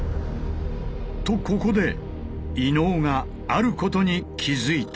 とここで伊野尾があることに気付いた。